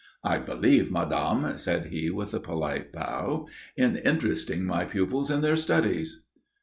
"I believe, madame," said he, with a polite bow, "in interesting my pupils in their studies."